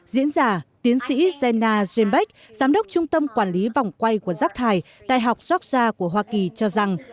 diễn giả tiến sĩ zena zembeck giám đốc trung tâm quản lý vòng quay của rác thải đại học georgia của hoa kỳ cho rằng